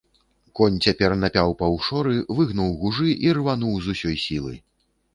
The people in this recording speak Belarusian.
Конь цяпер напяў паўшоры, выгнуў гужы і рвануў з усёй сілы.